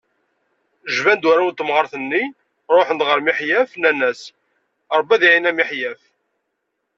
Jban-d warraw n temɣart-nni, ruḥen-d ɣer Miḥyaf, nnan-as: Rebbi ad iɛin a Miḥyaf.